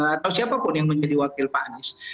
atau siapapun yang menjadi wakil pak anies